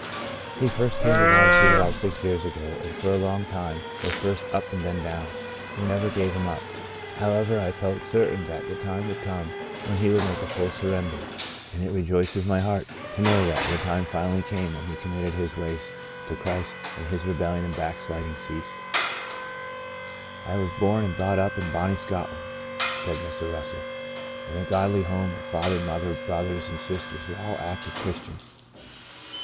He first came to Water Street about six years ago, and for a long time was first up and then down. We never gave him up, however, and I felt certain that the time would come when he would make a full surrender. And it rejoices my heart to 109 1 1 o The Portion of Manasseh know that the time finally came when he committed his ways to Christ, and his rebel lion and backsliding ceased." "I was born and brought up in Bonnie Scotland," said Mr. Russell, " in a godly home where father, mother, brothers and sisters were all active Christians.